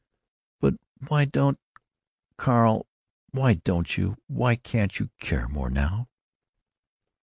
"But why don't—Carl, why don't you—why can't you care more now?"